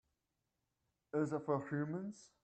Is it for humans?